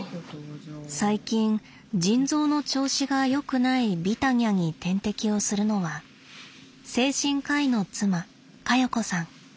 最近腎臓の調子がよくないビタニャに点滴をするのは精神科医の妻カヨ子さん。